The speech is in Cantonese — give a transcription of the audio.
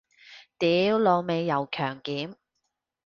屌老味又強檢